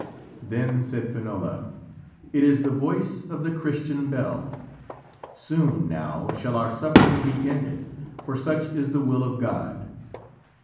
Then said Finola: "It is the voice of the Christian bell. Soon, now, shall our suffering be ended, for such is the will of God."